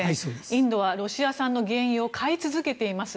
インドはロシア産の原油を買い続けています。